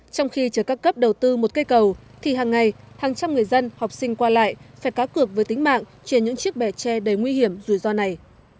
trong khi chờ các cấp đầu tư một cây cầu thì hàng ngày hàng trăm người dân học sinh qua lại phải cá cược với tính mạng trên những chiếc bè tre đầy nguy hiểm rủi ro này